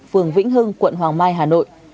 phường vĩnh hưng quận hoàng mai hà nội